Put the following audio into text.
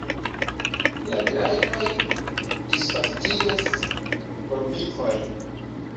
La grajnojn disvastigas formikoj.